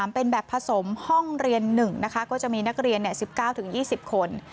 เป็นแบบผสมห้องเรียน๑นะคะก็จะมีนักเรียน๑๙๒๐คน